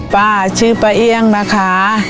ป้าชื่อป้าเอี่ยงนะคะ